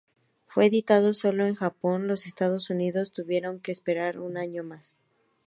Fue editado sólo en Japón, los Estados Unidos tuvieron que esperar un año más.